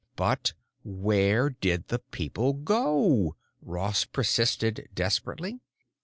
"But where did the people go?" Ross persisted desperately.